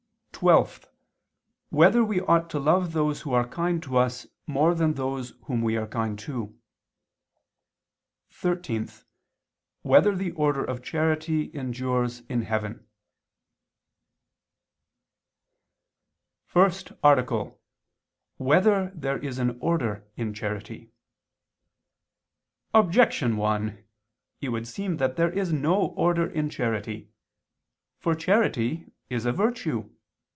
(12) Whether we ought to love those who are kind to us more than those whom we are kind to? (13) Whether the order of charity endures in heaven? _______________________ FIRST ARTICLE [II II, Q. 26, Art. 1] Whether There Is Order in Charity? Objection 1: It would seem that there is no order in charity. For charity is a virtue.